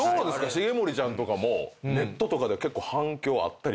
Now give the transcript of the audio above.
重盛ちゃんとかもネットとかで結構反響あったりしますか？